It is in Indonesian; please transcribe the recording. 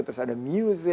terus ada music